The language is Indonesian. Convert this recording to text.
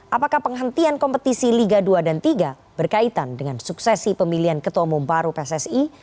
apakah penghentian kompetisi liga dua dan tiga berkaitan dengan suksesi pemilihan ketua umum baru pssi